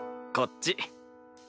こっち。